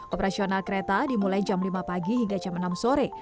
operasional kereta dimulai jam lima pagi hingga jam enam sore